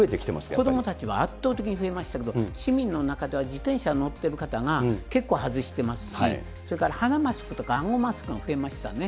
子どもたちは圧倒的に増えましたけど、市民の中では自転車に乗ってる方が結構外してますし、それから鼻マスクとかあごマスクが増えましたね。